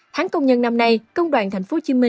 tháng công nhân năm nay công đoàn tp hcm